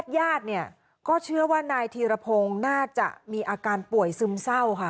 ญาติเนี่ยก็เชื่อว่านายธีรพงศ์น่าจะมีอาการป่วยซึมเศร้าค่ะ